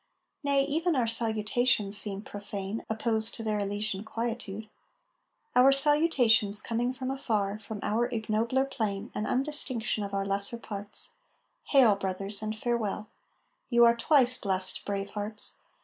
Nay, even our salutations seem profane, Opposed to their Elysian quietude; Our salutations coming from afar, From our ignobler plane And undistinction of our lesser parts: Hail, brothers, and farewell; you are twice blest, brave hearts.